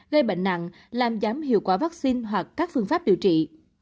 gây bệnh nặng làm giảm hiệu quả vắc xin hoặc các phương pháp điều trị